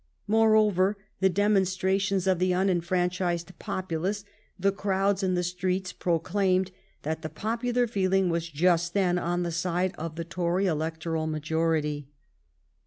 Moreover, the demon strations of the unenfranchised populace, the crowds in the streets, proclaimed that the popular feeling was just then on the side of the Tory electoral majority.